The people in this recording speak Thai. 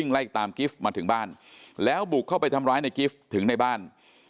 ไล่ตามกิฟต์มาถึงบ้านแล้วบุกเข้าไปทำร้ายในกิฟต์ถึงในบ้าน